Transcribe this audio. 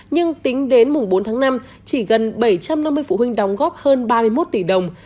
nhưng tính đến bốn tháng năm chỉ gần bảy trăm năm mươi phụ huynh đóng góp hơn ba mươi một tỷ đồng